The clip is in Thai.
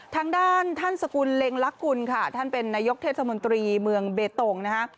ทางด้านท่านสกุลเล็งลักกุลค่ะท่านเป็นนายกเทศมนตรีเมืองเบตงนะคะ